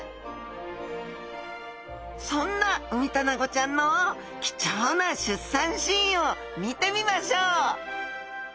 そんなウミタナゴちゃんの貴重な出産シーンを見てみましょう！